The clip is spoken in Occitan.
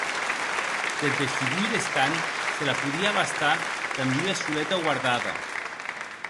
Deth vestibul estant se la podie abastar damb ua soleta guardada.